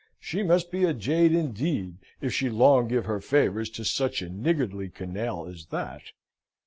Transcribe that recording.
She must be a jade indeed, if she long give her favours to such a niggardly canaille as that!"